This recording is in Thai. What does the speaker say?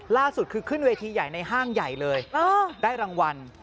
ล่าสุดคือขึ้นเวทีใหญ่ในห้างใหญ่เลยได้รางวัล